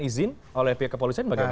izin oleh pihak kepolisian bagaimana